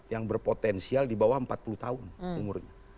yang berpotensial di bawah empat puluh tahun umurnya